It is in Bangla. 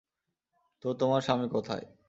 তো, তোমার স্বামী কোথায়?